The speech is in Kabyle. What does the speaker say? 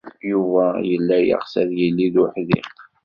Yuba yella yeɣs ad yili d uḥdiq.